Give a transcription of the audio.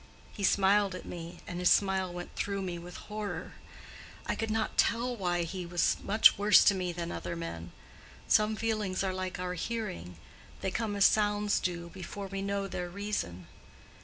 He smiled at me, and his smile went through me with horror: I could not tell why he was so much worse to me than other men. Some feelings are like our hearing: they come as sounds do, before we know their reason.